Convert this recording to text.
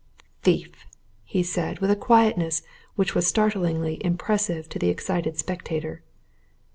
"Thief!" he said, with a quietness which was startlingly impressive to the excited spectator.